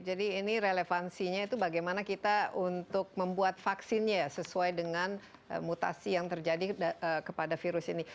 jadi ini relevansinya itu bagaimana kita untuk membuat vaksinnya sesuai dengan mutasi yang terjadi kepada virus ini